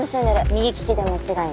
右利きで間違いない。